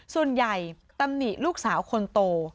ส่วนใหญ่ตำหนิลูกสาวคนโต